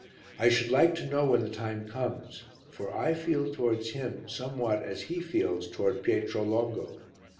I should like to know when the time comes, for I feel towards him somewhat as he feels towards Pietro Longo.